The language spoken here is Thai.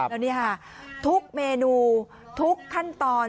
แล้วนี่ค่ะทุกเมนูทุกขั้นตอน